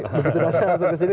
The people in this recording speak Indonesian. begitu masuknya langsung ke sini